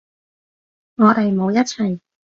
我哋冇一齊